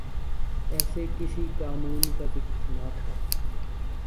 ایسے کسی قانون کا ذکر نہ تھا۔